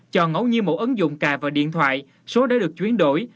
cho ngẫu nhi mẫu ứng dụng cài vào điện thoại số đã được chuyển đổi